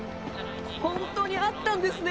本当にあったんですね